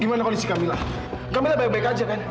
gimana kondisi kamila kamila baik baik aja kan